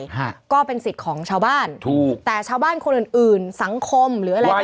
ฮะก็เป็นสิทธิ์ของชาวบ้านถูกแต่ชาวบ้านคนอื่นอื่นสังคมหรืออะไรต่าง